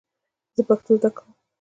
زه پښتو زده کوم